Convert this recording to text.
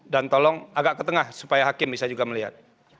dan tolong agak ke tengah supaya hakim bisa juga melihat